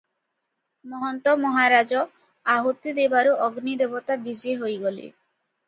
ମହନ୍ତ ମହାରାଜ ଆହୁତି ଦେବାରୁ ଅଗ୍ନି ଦେବତା ବିଜେ ହୋଇଗଲେ ।